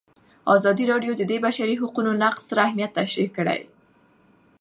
ازادي راډیو د د بشري حقونو نقض ستر اهميت تشریح کړی.